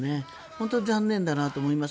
本当に残念だなと思います。